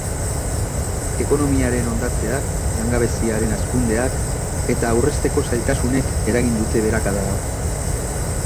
Ekonomiaren hondatzeak, langabeziaren hazkundeak eta aurrezteko zailtasunek eragin dute beherakada hau.